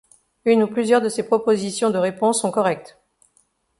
Une ou plusieurs de ces propositions de réponse sont correctes.